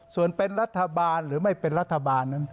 ส่วนเป็นรัฐบาลหรือไม่เป็นรัฐบาลนั้น